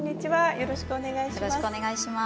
よろしくお願いします。